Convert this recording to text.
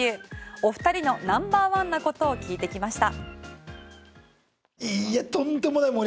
お２人のナンバーワンなことを聞いてきました。